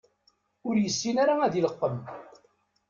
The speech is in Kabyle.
Ur yessin ara ad ileqqem.